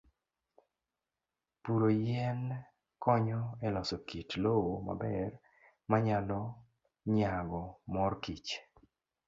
Puro yien konyo e loso kit lowo maber ma nyalo nyago mor kich.